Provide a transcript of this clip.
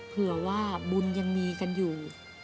เผื่อว่าบุญยังมีกันอยู่